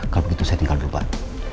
kalau begitu saya tinggal dulu pak